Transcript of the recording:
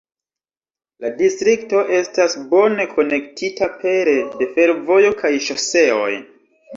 La distrikto estas bone konektita pere de fervojo kaj ŝoseoj.